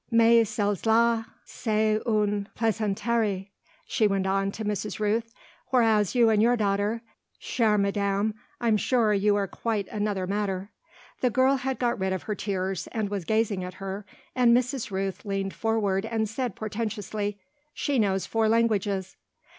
"Mais celles là, c'est une plaisanterie," she went on to Mrs. Rooth; "whereas you and your daughter, chère madame I'm sure you are quite another matter." The girl had got rid of her tears, and was gazing at her, and Mrs. Rooth leaned forward and said portentously: "She knows four languages."